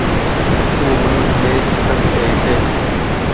او من ڏي سڪتي هيتي